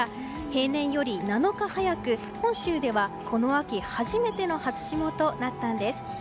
平年より７日早く本州ではこの秋初めての初霜となったんです。